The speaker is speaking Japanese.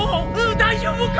大丈夫か！？